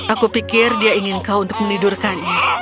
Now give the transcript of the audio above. aku pikir dia ingin kau untuk menidurkan